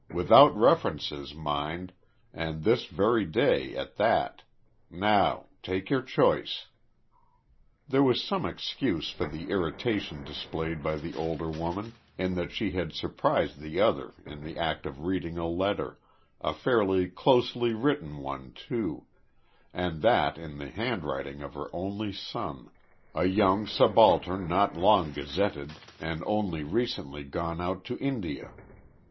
Without references mind and this very day at that. Now take your choice." There was some excuse for the irritation displayed by the older woman, in that she had surprised the other in the act of reading a letter a fairly closely written one too, and that in the handwriting of her only son, a young subaltern not long gazetted, and only recently gone out to India.